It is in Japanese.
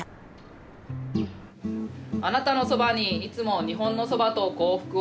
あなたのそばにいつも日本のそばと幸福を。